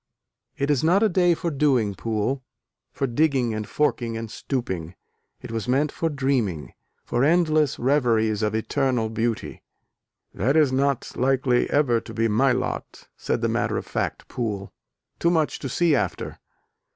"It is not a day for doing, Poole, for digging and forking and stooping, it was meant for dreaming, for endless reveries of eternal beauty." "That is not likely ever to be my lot," said the matter of fact Poole, "Too much to see after."